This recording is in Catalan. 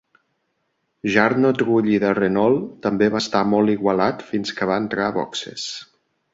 Jarno Trulli de Renault també va estar molt igualat fins que va entrar a boxes.